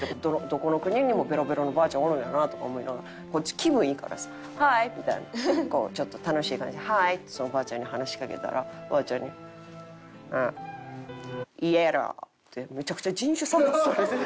どこの国にもベロベロのおばあちゃんおるんやなとか思いながらこっち気分いいからさ「Ｈｉ！」みたいなちょっと楽しい感じで「Ｈｉ！」ってそのおばあちゃんに話しかけたらおばあちゃんに「イエロー」ってめちゃくちゃ人種差別されて。